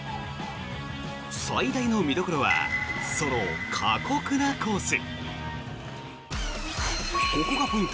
最大の見どころはその過酷なコース。